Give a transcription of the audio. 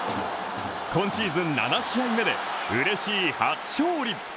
今シーズン７試合目で嬉しい初勝利。